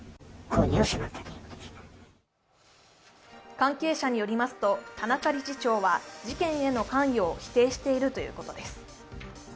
関係者によりますと田中理事長は事件への関与を否定しているということです。